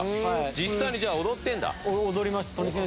実際にじゃあ踊ってんだ。